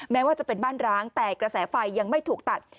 แม้ว่าจะเป็นบ้านร้างแต่กระแสไฟยังไม่ถูกตัด